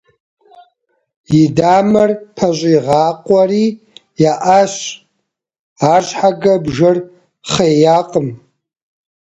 И дамэр пэщӀигъакъуэри еӀащ, арщхьэкӀэ бжэр хъеякъым.